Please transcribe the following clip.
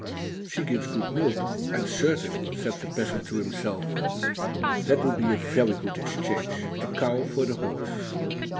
"She gives good milk, I am certain," said the peasant to himself. "That would be a very good exchange: the cow for the horse.